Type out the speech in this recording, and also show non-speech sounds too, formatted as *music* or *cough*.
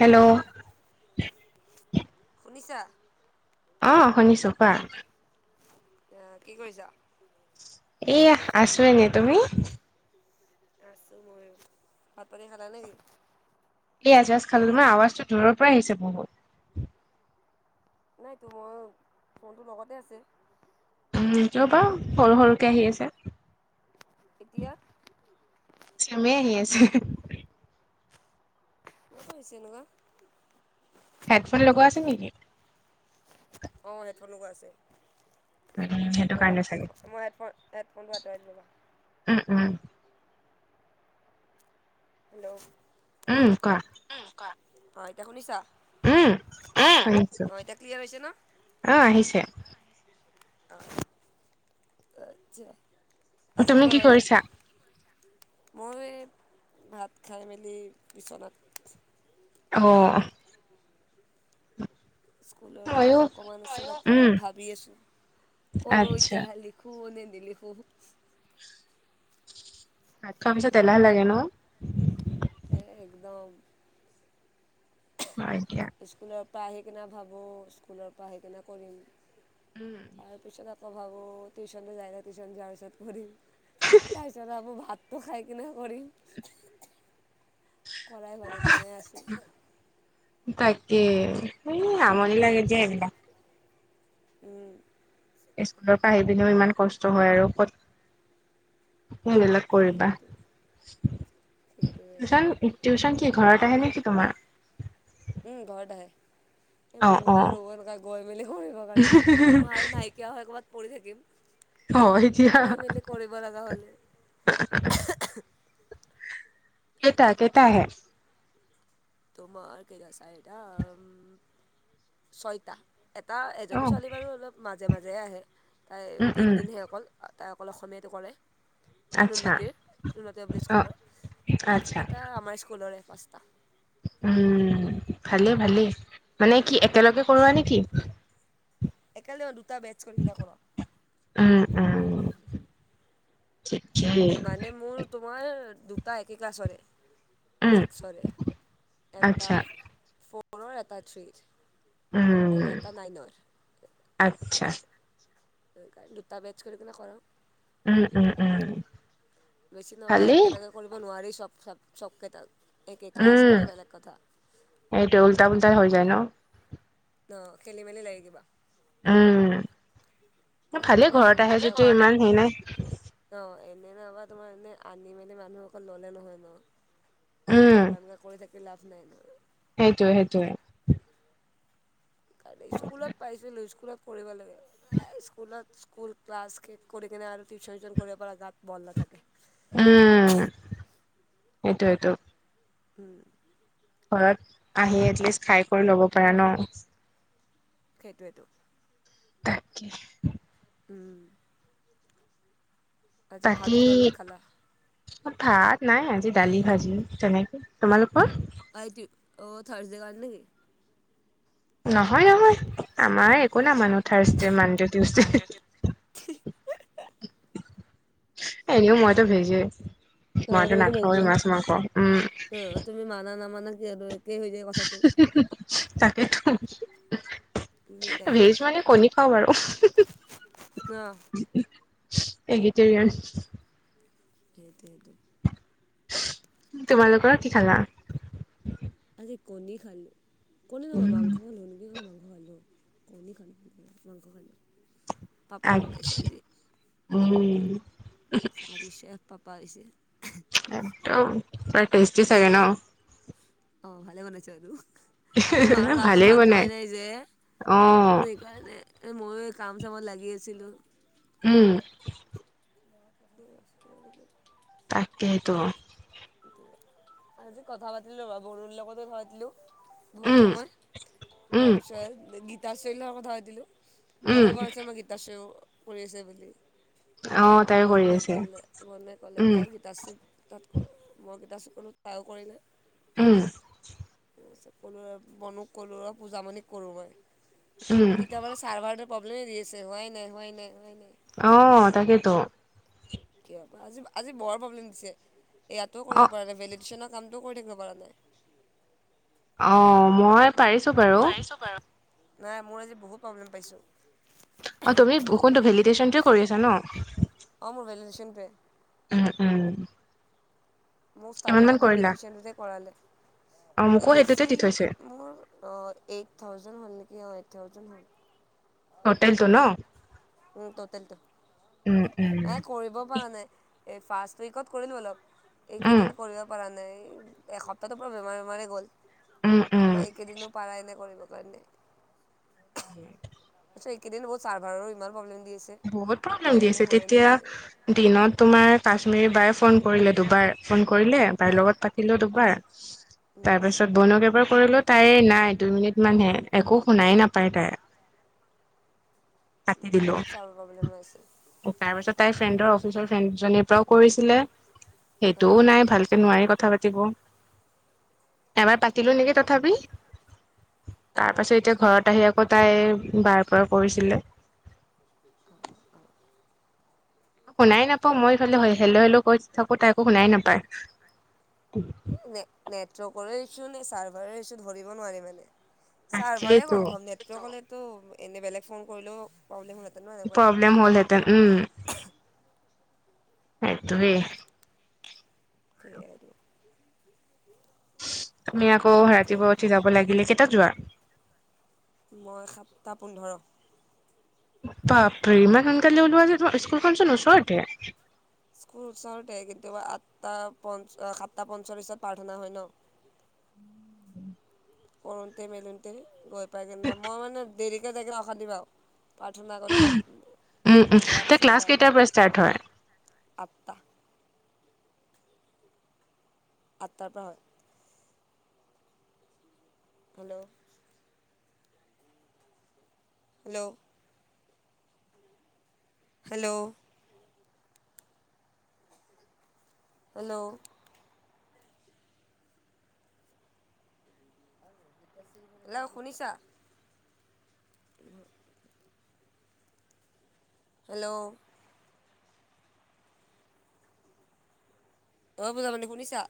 Hello? *inaudible* শুনিছা? অঁ শুনিছোঁ। কোৱা? আ কি কৰিছ? এইয়া আছোঁ এনেই। তুমি? আছোঁ ময়ো। ভাত পানী খালা নেকি? এইয়া জাজ খালো। তোমাৰ আৱাজটো দূৰৰ পৰা আহিছে বহুত। নাইতো, মোৰ ফোনটো লগতে আছে। উম কিয় বা সৰু সৰুকে আহি আছে। এতিয়া চেমে আহি আছে হে হে। কিয় বা হৈছে এনেকুৱা হেডফোন লগোৱা আছে নেকি? অঁ হেডফোন লগোৱা আছে। উম সেইটো ৰ'বা কাৰণে চাগে হেডফো মই হেডফোন হেডফোনটো আঁতৰাই লওঁ ৰবা। উম উম। হেল্ল'। উম কোৱা? উম কোৱা? অ এতিয়া শুনিছা? উম শুনিছোঁ। অঁ এতিয়া ক্লিয়াৰ হৈছে ন অহ আহিছে। অঁ আচ্ছা আজি কি তুমি বনালে? কৰিছা মোৰ এই ভাত খাই মেলি বিচনাত অহ উমহ। স্কুলৰ ময়ো কাম অকমান, ময়ো, উম ভাবি আছোঁ কৰো আচ্ছা এতিয়া খালি খু নিদিলি খু *unintelligible* ভাত খোৱা পিছত এলাহ লাগে ন? এহ একদম। মাইকিয়া স্কুলৰ পৰা আহি কিনে ভাবোঁ স্কুলৰ পৰা আহি কিনে কৰিম। উম। তাৰপিছত আকৌ ভাবোঁ টিউচনটো যাই যাই টিউচন যোৱাৰ পিছত কৰিম। তাৰপিছত আকৌ ভাত টো খাই কিনে কৰিম। কৰাই হোৱা নাই তেনেই আছোঁ। তাকে, সেই আমনি লাগে যে এইবিলাক। উম। স্কুলৰ পৰা আহি পিনিও ইমান কষ্ট হয় আৰু ক'ত সেই বিলাক কৰিবা। সেইটোৱেতো সেইটোৱে টিউচন টিউচন কি ঘৰত আহে নে কি তোমাৰ? উম ঘৰত আহে। এ মই নোৱাৰোঁ অ এনেকুৱা গৈ মেলি কৰিবৰ কাৰণে মই আৰু নাই কিয়া হৈ ক'ৰবাত পৰি থাকিম। অহ এতিয়া গৈ মেলি কৰিব লগা হ'লে কেইটা কেইটা আহে? তোমাৰ কেইটা চাৰিটা অম ছয়টা। এটা অ এজনী ছোৱালী বাৰু অলপ মাজে মাজেহে আহে। তাই উম উম তিনি দিনহে অকল। আ তাই অকল অসমীয়াটো কৰে। আচ্ছা নুনমাটিৰ নুনমাটি পাব্লিক অ স্কুলৰ। আচ্ছা বাকীকেইটা আমাৰ স্কুলৰে পাঁচটা। উম ভালেই ভালেই, মানে কি একেলগে কৰোৱা নেকি? একেলগে দুটা বেটছ কৰি কিনে কৰাওঁ। উম উম, ঠিকেই মানে মোৰ তোমাৰ দুটা একে ক্লাছৰে। উম ছিক্সৰে এটা আচ্ছা ফ'ৰৰ এটা থ্ৰীৰ, উম আৰু এটা নাইনৰ আচ্ছা। দুটা বেটছ কৰি কিনে কৰোঁ। উম উম উম। বেছি নোৱাবা ভালেই একেলগে কৰিব নোৱাৰি চব চব চবকেইটা একে ক্লাছ হ'লে বেলেগ কথা সেইটো উল্টা পোল্টাই হৈ যায় ন? ন খেলি মেলি লাগে কি বা। উম আৰু ভালেই এনে আনি ঘৰত আহে কেনে যেতিয়া ইমান হেৰি নাই। অ এনে লবা তোমাৰ এনে আনি মেলি মানুহ অক ললে নহয় ন। উম যেনেকা এনেকা কৰি থাকি লাভ নাই ন। সেইটোৱে সেইটোৱে। কালি স্কুলত পাইছিলোঁ স্কুলত পঢ়িব লাগে। স্কুলত স্কুল ক্লাছ শেষ কৰি কিনে আৰু টিউচন উচন কৰিব পৰা গাত বল নাথাকে। উম সেইটোৱে টো। হম, ঘৰত আহি এটলিষ্ট খাই কৰি ল'ব পাৰা ন। সেইটোৱেতো। তাকে। উম, আজি ভাত তাকে, কিহৰ লগত খালা ভাত নাই আজি দালি ভাজি তেনেকে তোমালোকৰ। ভাইটি অ থাৰ্চডে কাৰণে নেকি। নহয় নহয় আমাৰ একো নামানো থাৰ্চডে মানডে টিউচডে, এনেও মইতো ভেজে। অ মইতো তুমিতো নাখাওঁৱেই ভেজে মাছ মাংস উম। অ তুমি মানা নামানা কি আৰু একেই হৈ যায় কথাটো তাকেইতো, এনি টাইম ভেজ মানে কণী খাওঁ বাৰু অ *unintelligible* সেইটোৱেতো। তোমালোকৰ কি খালা। আজি কণী খালো কণী নহয় উম মাংস খালো নেকি মাংস খালো। কণী খালো মাংস খালো। পাপাই আগ বনাইছে আজি উম আজি চেফ পাপা হৈছে। একদম পুৰা টেষ্টি চাগে ন। অ ভালে বনাইছো এইটো মাৰ গাটো ভালেই ভাল বনাই পোৱাই নাই যে। অ সেইকাৰণে ময়ো এই কাম চামত লাগি আছিলোঁ। উম, *unintelligible* তাকে টো। আজি কথা পাতিলো বাৰু বৰুন লগতো পাতিলো। বহুত উম সময় উম তাৰপিছত গীতাশ্ৰী লগত কথা পাতিলো উম গমেই পোৱা নাছিলো মই গীত গীতাশ্ৰীও কৰি আছে বুলি অ', আৰু তাই কৰি বৰুনে আছে। কলে বৰুনে ক'লে উম, কৰ গীত গীতাশ্ৰী তাত কৰে মই গীতাশ্ৰী কলো তাইয়ো কৰিলে। উম, *unintelligible* বনোক কলো আৰু পূজামণিক কৰো মই, উম, তেতিয়াপৰা চাৰ্ভাৰ প্ৰব্লেমে দি আছে হোৱাই নাই হোৱাই নাই হোৱাই নাই। অ তাকেইতো। আজি আজি বৰ প্ৰব্লেম দিছে ইয়াতো অ', কৰিব পাৰে নাই ভেলিডেশনট, কামটো কৰি থাকিব পৰা নাই৷ অ মই পাৰিছো বাৰু৷ পাৰিছো বাৰু নাই মোৰ আজি বহুত প্ৰব্লেম পাইছো। অ তুমি কোনটো ভেলিডেশচনটোৱে কৰি আছা ন। অঁ মোৰ ভেলিটেশনটোৱে। উম উম *unintelligible* মোৰ কিমান মান ষ্টাৰ্টিঙৰ পৰা কৰিলা? ভেলিডিচনটোতে কৰালেে অ', মোকো সেইটোতে বেছি দি থৈছে মোৰ অ এইট থাউজেণ্ড হ'ল নেকি অ এইট থাউজেণ্ড হ'ল৷ ততেলটো ন? উম তোতেলটো৷ উম উম, তাই কৰিব পৰা নাই৷ এই ফাৰ্ষ্ট উইকত কৰিলোঁ অলপ উম, এইকেইদিন কৰিব পৰা নাই এই এসপ্তাহটো পোৰা বেমাৰ-বেমাৰে গ'ল উম, উম। তাৰপৰা এইকেইদিনো পাৰাই নাই কৰিব কাৰণে এইকেইদিন ছাৰ্ভাৰ ইমান প্ৰব্লেম দি আছে৷ বহুত প্ৰব্লেম হোৱাই দি নাই আছে হোৱাই নাই তেতিয়া দিনত তোমাৰ কাশ্মীৰ বায় ফোন কৰিলে দুবাৰ৷ ফোন কৰিলে তাইৰ অঁ লগত পাতিলো দুবাৰ তাৰপিছত বনক এবাৰ কৰিলো তাই নাই দুই মিনিট মানহে একো শুনাই নাপায় তাই৷ কাটি দিলো। বহুত ছাৰ্ভাৰ প্ৰব্লেম হৈ আছে৷ তাৰ পিছত তাই ফ্ৰেণ্ডৰ অফিচৰ ফ্ৰেন্দজনিৰ পৰাও কৰিছিলে অঁ সেইটোও নাই ভালকে নোৱাৰি কথা পাতিব৷ এবাৰ পাতিলো নেকি তথাপি তাৰ অঁ পাছত এতিয়া আচ্ছা ঘৰত আহি আহি আকো তাই বাই পৰা কৰিছিলে *unintelligible* শুনাই নাপাওঁ মই ইফালে হেলো হেলো কৰি থাকো তাই একো শুনাই নাপায়৷ নে নেটৱৰ্কৰো ইছ্যু নে চাৰ্ভাৰ ইছ্যু ধৰিব নোৱাৰি মানে চাৰ্ভাৰে তাকেইতো সম্ভৱ নেট ত ক'লেতো এনে বেলেগ ফোন কৰিলেও প্ৰব্লেম হলহেঁতেন ন এনেকুৱাই৷ প্ৰব্লেম হ'লতেন উম সেইটোৱে৷ আৰু তুমি আকৌ অ'কে ৰাতিপুৱা উঠি যাব লাগিলে কেইটাত যোৱা? মই সাতটা পোন্ধৰ৷ বাপৰে ইমান সোনকালে ওলোৱা যে তোমাৰ স্কুলখনচোন ওচৰতে৷ স্কুল ওচৰতে কিন্তু আঠটা সাতটা পঞ্চল্লিছত প্ৰাৰ্থনা হয় ন৷ কৰোঁতে মেলোতে গৈ পাই কিনে মই মানে দেৰিকে গৈ পাই কিনে অশান্তি পাওঁ৷ প্ৰাৰ্থনা কৰি উম উম যাওঁ তে আৰামছে ক্লাছ কেইটাৰ পৰা ষ্টাৰ্ট হয় যাওঁ আঠটা৷ আঠটাৰ পৰা হয়৷ hello hello hello hello hello শুনিছা? উ *inaudible* হেল্ল' অ পুজামণি শুনিছা?